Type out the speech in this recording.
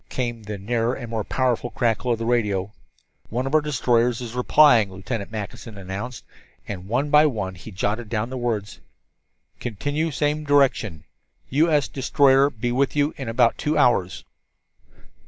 Came the nearer and more powerful crackle of the radio. "One of our destroyers is replying," Lieutenant Mackinson announced, and one by one he jotted down the words: "Continue same direction. U. S. destroyer be with you in about two hours."